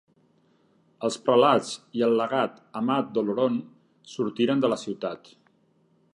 Els prelats i el legat Amat d'Oloron sortiren de la ciutat.